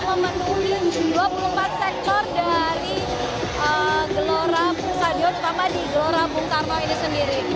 memenuhi dua puluh empat sektor dari gelora stadion utama di gelora bung karno ini sendiri